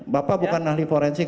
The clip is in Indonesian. bapak bukan ahli forensik